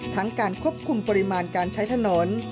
การควบคุมปริมาณการใช้ถนน